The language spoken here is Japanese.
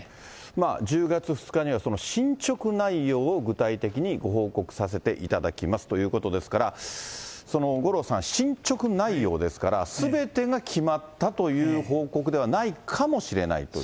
１０月２日には進捗内容を具体的にご報告させていただきますということですから、五郎さん、進捗内容ですから、すべてが決まったという報告ではないかもしれないという。